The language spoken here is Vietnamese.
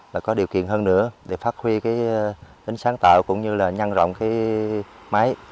và có điều kiện hơn nữa để phát huy cái tính sáng tạo cũng như là nhân rộng cái máy